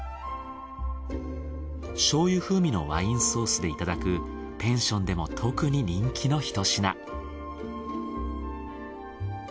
醤油風味のワインソースでいただくペンションでも特に人気のひと品。